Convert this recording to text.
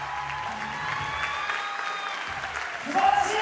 すばらしい！